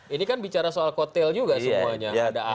ini kan bicara soal kotel juga semuanya